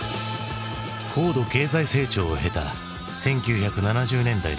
高度経済成長を経た１９７０年代の日本。